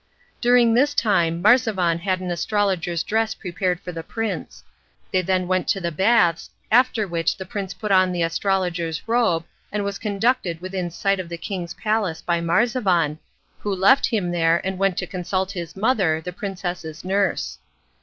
During this time Marzavan had an astrologer's dress prepared for the prince. They then went to the baths, after which the prince put on the astrologer's robe and was conducted within sight of the king's palace by Marzavan, who left him there and went to consult his mother, the princess's nurse.